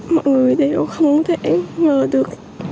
mọi người đều không thể ngờ được